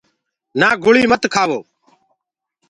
نآ گُݪيٚ مت کهآوو۔